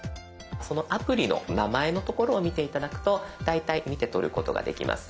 そのアプリの名前のところを見て頂くと大体見てとることができます。